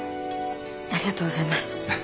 ありがとうございます。